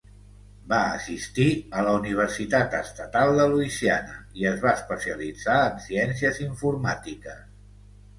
Va assistir a la Universitat Estatal de Louisiana i es va especialitzar en Ciències Informàtiques.